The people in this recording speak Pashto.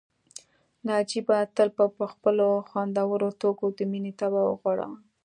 ناجيې به تل په خپلو خوندورو ټوکو د مينې طبع وغوړاوه